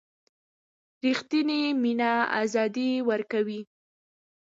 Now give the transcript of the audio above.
ریښتینې مینه آزادي ورکوي.